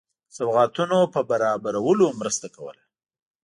سوغاتونو په برابرولو مرسته کوله.